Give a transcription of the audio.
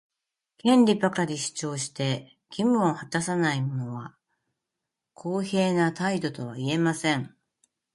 権利ばかり主張して、義務を果たさないのは公平な態度とは言えません。